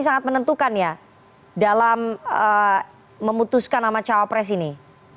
sangat menentukan ya dalam memutuskan nama cawapres ini